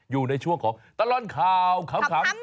อยู่ในช่วงของตลอดข่าวขำ